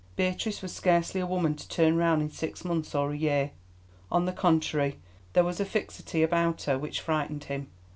Beatrice was scarcely a woman to turn round in six months or a year. On the contrary, there was a fixity about her which frightened him.